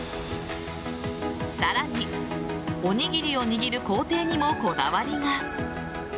さらにおにぎりを握る工程にもこだわりが。